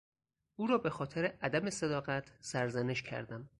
او را به خاطر عدم صداقت سرزنش کردم.